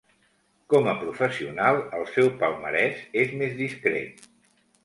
Com a professional el seu palmarès és més discret.